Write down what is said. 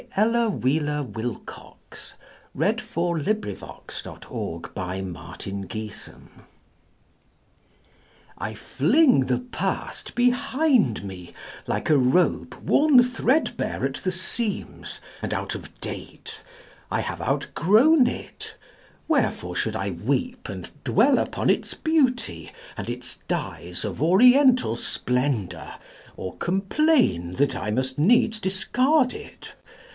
Ella Wheeler Wilcox The Past I FLING the past behind me, like a robe Worn threadbare at the seams, and out of date. I have outgrown it. Wherefore should I weep And dwell upon its beauty, and its dyes Of oriental splendor, or complain That I must needs discard it?